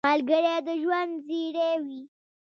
ملګری د ژوند زېری وي